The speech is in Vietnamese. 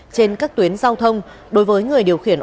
trên các tuyến giao thông đối với người điều khiển